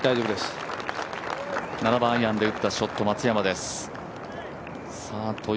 ７番アイアンで打ったショット、松山です。